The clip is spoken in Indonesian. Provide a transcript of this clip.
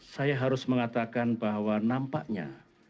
saya harus mengatakan bahwa nampaknya